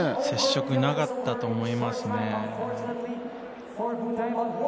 接触はなかったと思いますね。